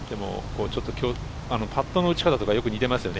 パットの打ち方とかよく似ていますよね。